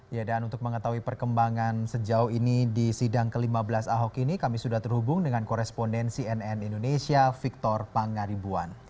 ya dan untuk mengetahui perkembangan sejauh ini di sidang ke lima belas ahok ini kami sudah terhubung dengan korespondensi nn indonesia victor pangaribuan